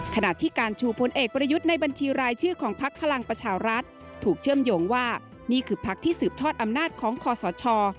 ขณะที่การชูพลเอกประยุทธ์ในบัญชีรายชื่อของพักพลังประชารัฐถูกเชื่อมโยงว่านี่คือพักที่สืบทอดอำนาจของคอสช